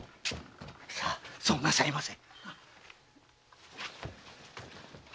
さあそうなさいませ。